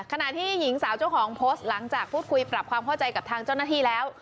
ขณะที่หญิงสาวเจ้าของโพสต์หลังจากพูดคุยปรับความเข้าใจกับทางเจ้าหน้าที่แล้ว